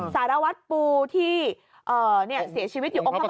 ศาลวัฒน์ปูที่เสียชีวิตอยู่องค์คอนประถม